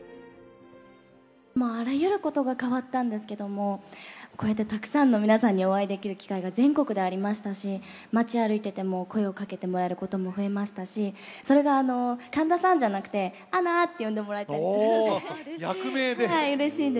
もうあらゆることが変わったんですけど、こうやってたくさんの皆さんにお会いできる機会が全国でありましたし、街歩いてても声をかけてもらえることも増えましたし、それが神田さんじゃなくて、アナーって呼んでもらえたりするんで。